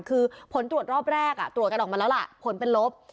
คือผลตรวจรอบแรกตรวจกันออกมาแล้วล่ะผลเป็นลบ